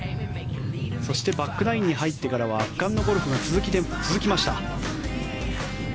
そしてバックナインに入ってからは圧巻のゴルフが続きました。